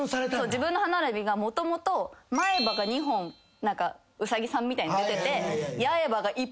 自分の歯並びがもともと前歯が２本ウサギさんみたいに出てて。